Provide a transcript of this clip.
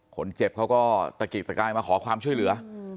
คนเจ็บเขาก็ตะกิกตะกายมาขอความช่วยเหลือ